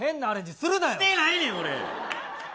してないねん、俺。